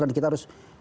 dan kita harus